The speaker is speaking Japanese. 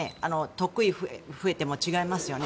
得意、不得手も違いますよね。